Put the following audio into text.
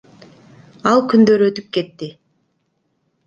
Ал күндөр өтүп кетти.